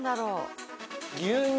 牛乳？